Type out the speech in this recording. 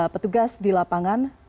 petugas di lapangan